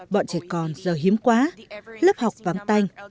bọn trẻ con giờ hiếm quá lớp học vám tanh